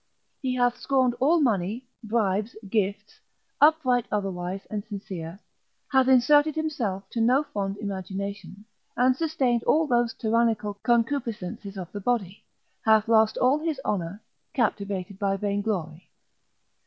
He hath scorned all money, bribes, gifts, upright otherwise and sincere, hath inserted himself to no fond imagination, and sustained all those tyrannical concupiscences of the body, hath lost all his honour, captivated by vainglory.